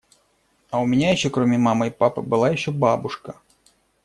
А у меня ещё, кроме мамы и папы, была ещё бабушка.